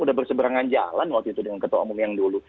udah berseberangan jalan waktu itu dengan ketua umum yang dulu